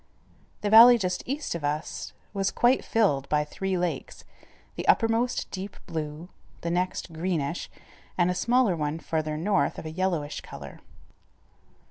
] The valley just east of us was quite filled by three lakes, the uppermost deep blue, the next greenish, and a smaller one, farther north, of a yellowish color.